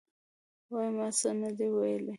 وایي: ما څه نه دي ویلي.